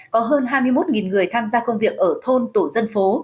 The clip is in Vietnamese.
có hơn hai mươi một người tham gia công việc ở thôn tổ dân phố